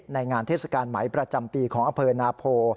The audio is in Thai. งานเทศกาลไหมประจำปีของอำเภอนาโพ